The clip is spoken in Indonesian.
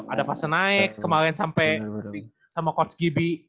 ada fase naik kemarin sampai sama coach gibi